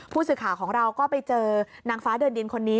ผู้สื่อข่าวของเราก็ไปเจอนางฟ้าเดินดินคนนี้